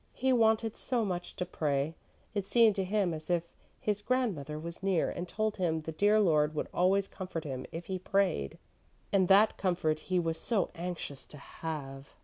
He wanted so much to pray, it seemed to him as if his grandmother was near and told him the dear Lord would always comfort him if he prayed, and that comfort he was so anxious to have.